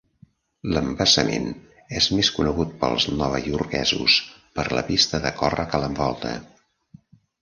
L'embassament és més conegut pels novaiorquesos per la pista de córrer que l'envolta.